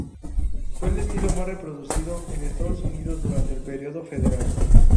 Fue el estilo más reproducido en Estados Unidos durante el periodo federal.